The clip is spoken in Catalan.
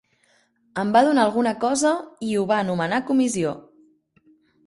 Em va donar alguna cosa i ho va anomenar comissió.